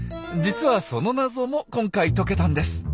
実はその謎も今回解けたんです。